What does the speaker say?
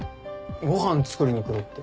ご飯作りに来るって。